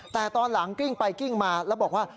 แต่ตอนหลังกลิ้งไปกลิ้งมาแล้วบอกว่า